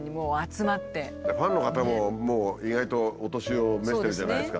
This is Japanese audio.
ファンの方ももう意外とお年を召してるじゃないですか。